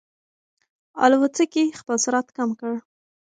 الوتکې خپل سرعت کم کړ.